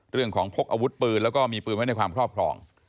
พกอาวุธปืนแล้วก็มีปืนไว้ในความครอบครอง